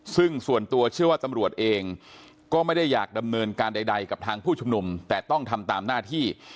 ซึ่งส่วนตัวเชื่อว่าตำรวจเองก็ไม่ได้อยากดำเนินการใดกับทางผู้ชุมนุมแต่ต้องทำตามหน้าที่